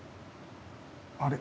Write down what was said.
あれ。